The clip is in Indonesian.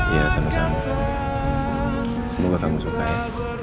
iya sama sama semoga kamu suka ya